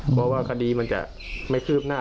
เพราะว่าคดีมันจะไม่คืบหน้า